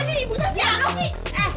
aduh ini ibu tersialoh nih